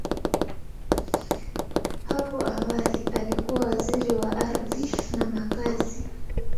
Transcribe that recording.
Hapo awali, alikuwa Waziri wa Ardhi na Makazi.